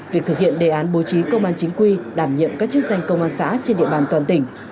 việc thực hiện đề án bố trí công an chính quy đảm nhiệm các chức danh công an xã trên địa bàn toàn tỉnh